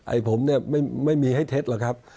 ไอ้ผมเนี่ยไม่มีให้เท็จหรอกครับ